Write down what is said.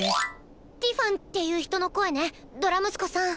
ティファンっていう人の声ねドラムスコさん。